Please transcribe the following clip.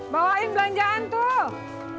bawain belanjaan tuh